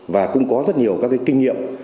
và cũng có rất nhiều kinh nghiệm